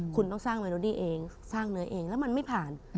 คุณต้องสร้างเมโลดี้เองสร้างเนื้อเองแล้วมันไม่ผ่าน